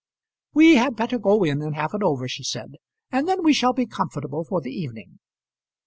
"We had better go in and have it over," she said, "and then we shall be comfortable for the evening."